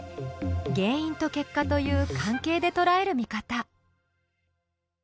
原因と結果という関係でとらえる見方。